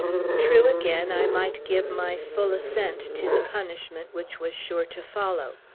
True, again, I might give my full assent to the punishment which was sure to follow.